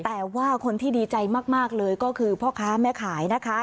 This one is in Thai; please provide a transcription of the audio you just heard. แต่ว่าคนที่ดีใจมากเลยก็คือพ่อค้าแม่ขายนะคะ